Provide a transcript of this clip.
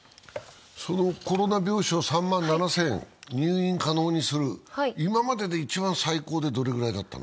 コロナ病床３万７０００を入院可能にする、今までで一番最高でどれくらいだったの？